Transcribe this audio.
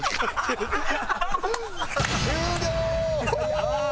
終了！